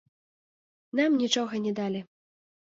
Нам нічога не далі.